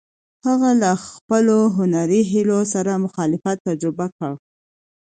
هغه له خپلو هنري هیلو سره مخالفت تجربه کړ.